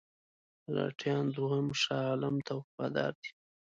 مرهټیان دوهم شاه عالم ته وفادار دي.